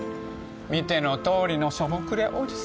見てのとおりのしょぼくれおじさん。